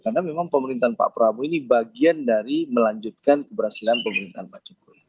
karena memang pemerintahan pak prabowo ini bagian dari melanjutkan keberhasilan pemerintahan pak jokowi